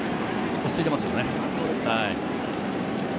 落ち着いていますよね。